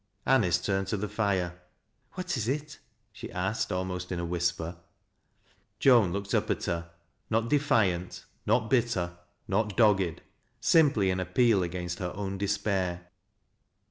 Anice turned to the fire. " Wtat is it ?" she asked, aliaost in a whisper. Joan looked up at her, — not defiant, not bitter, not dogged, — simply in appeal against her own despair.